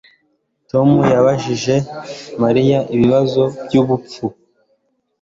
Tom yabajije Mariya ibibazo byubupfu